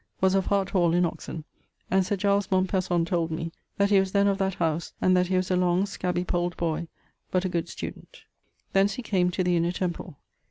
_) was of Hart hall in Oxon, and Sir Giles Mompesson told me that he was then of that house[BK], and that he was a long scabby pold boy, but a good student. Thence he came to the Inner Temple.